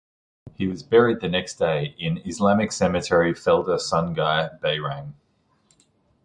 He was buried the next day in Islamic Cemetery Felda Sungai Behrang.